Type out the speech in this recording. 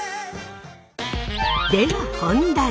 では本題！